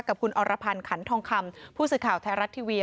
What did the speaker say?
กับคุณอรพันธ์ขันทองคำผู้สื่อข่าวไทยรัฐทีวี